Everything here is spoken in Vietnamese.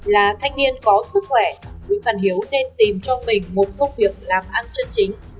là thanh niên có sức khỏe nguyễn văn hiếu nên tìm cho mình một công việc làm ăn chân chính